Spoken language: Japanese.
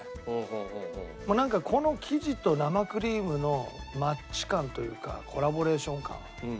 もうなんかこの生地と生クリームのマッチ感というかコラボレーション感